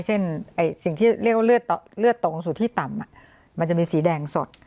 เช่นสิ่งที่เรียกว่าเลือดตกสู่ที่ต่ำมันจะมีสีแดงสด